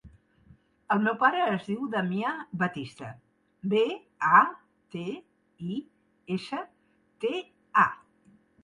El meu pare es diu Damià Batista: be, a, te, i, essa, te, a.